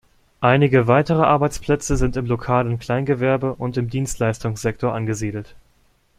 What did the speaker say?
Einige weitere Arbeitsplätze sind im lokalen Kleingewerbe und im Dienstleistungssektor angesiedelt.